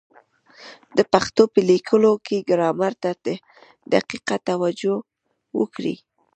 د پښتو په لیکلو کي ګرامر ته دقیقه توجه وکړئ!